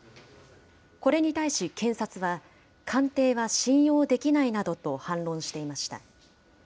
これに対し検察は、鑑定は信用できないなどと反論していました。